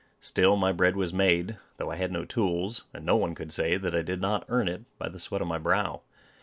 Still, my bread was made, though I had no tools; and no one could say that I did not earn it, by the sweat of my brow.